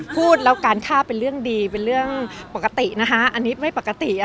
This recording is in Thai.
พูดแล้วการฆ่าเป็นเรื่องดีเป็นเรื่องปกตินะคะอันนี้ไม่ปกติ